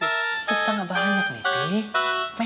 waktu kita gak banyak nih pi